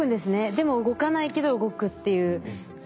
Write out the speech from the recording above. でも動かないけど動くっていう。